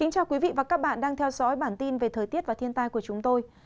cảm ơn các bạn đã theo dõi và ủng hộ cho bản tin thời tiết và thiên tai của chúng tôi